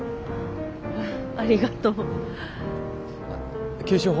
ああありがとう。